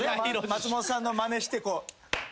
松本さんのまねしてこう。